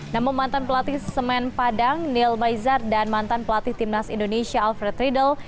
namun mantan pelatih semen padang nil maizar dan mantan pelatih timnas indonesia alfred riedel